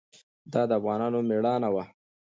دا د افغانانو مېړانه وه.